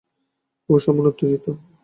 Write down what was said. ও সামান্য উত্তেজিত।